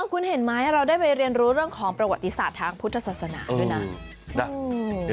คุณเห็นไหมเราได้ไปเรียนรู้เรื่องของประวัติศาสตร์ทางพุทธศาสนาด้วยนะ